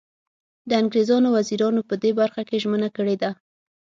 د انګریزانو وزیرانو په دې برخه کې ژمنه کړې ده.